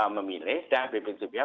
memilih dan bpc pihak